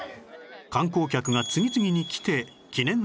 観光客が次々に来て記念撮影